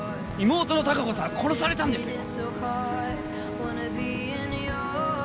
妹の隆子さんは殺されたんですよ